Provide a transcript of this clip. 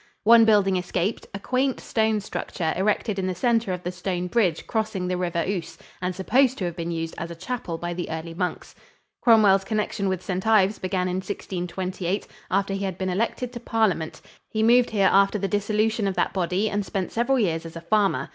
One building escaped, a quaint stone structure erected in the center of the stone bridge crossing the River Ouse and supposed to have been used as a chapel by the early monks. Cromwell's connection with St. Ives began in 1628, after he had been elected to Parliament. He moved here after the dissolution of that body and spent several years as a farmer.